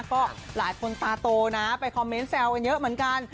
ก็หลายคนตาโตนะไปคอมเมนต์แซวกันเยอะเหมือนกัน